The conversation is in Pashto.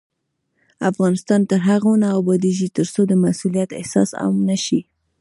افغانستان تر هغو نه ابادیږي، ترڅو د مسؤلیت احساس عام نشي.